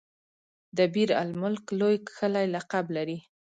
دبیر المک لوی کښلی لقب لري.